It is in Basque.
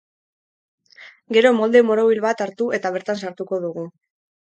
Gero molde borobil bat hartu eta bertan sartuko dugu.